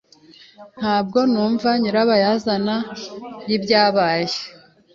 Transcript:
Ntabwo numva nyirabayazana y'ibyabaye.